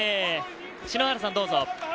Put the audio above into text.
篠原さん、どうぞ。